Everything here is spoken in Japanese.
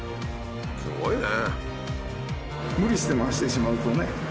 すごいね。